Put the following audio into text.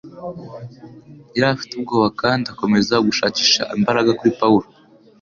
Yari afite ubwoba kandi akomeza gushakisha imbaga kuri Pawulo